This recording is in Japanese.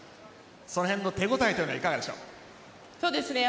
その辺の手応えはいかがでしょうか。